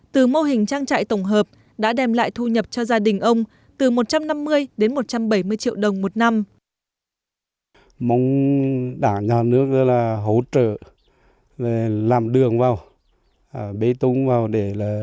từ mô hình trang trại tổng hợp đã đem lại thu nhập cho gia đình ông từ một trăm năm mươi đến một trăm bảy mươi triệu đồng một năm